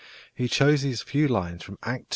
He chose these few lines from Act ii.